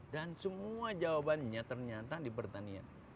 semua jawabannya ternyata di pertanian